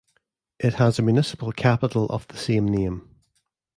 It has a municipal capital of the same name.